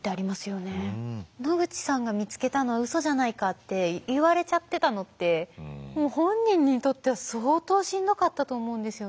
野口さんが見つけたのは嘘じゃないかって言われちゃってたのってもう本人にとっては相当しんどかったと思うんですよね。